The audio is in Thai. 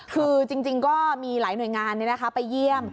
คือจริงก็มีหลายหน่วยงานไปเยี่ยม